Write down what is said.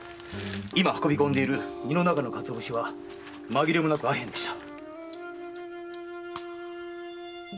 今運び込んでいる荷の中の鰹節はまぎれもなく阿片でした。